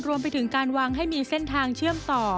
รวมไปถึงการวางให้มีเส้นทางเชื่อมต่อ